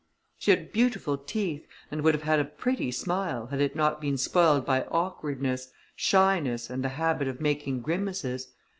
She had beautiful teeth, and would have had a pretty smile, had it not been spoiled by awkwardness, shyness, and the habit of making grimaces.